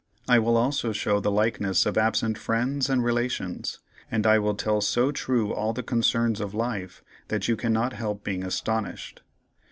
I will also show the likeness of absent friends and relations, and I will tell so true all the concerns of life that you cannot help being astonished.